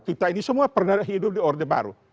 kita ini semua pernah hidup di orde baru